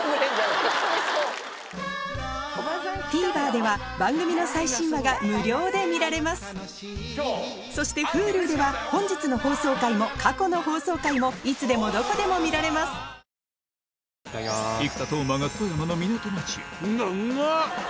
ＴＶｅｒでは番組の最新話が無料で見られますそしてＨｕｌｕでは本日の放送回も過去の放送回もいつでもどこでも見られます先生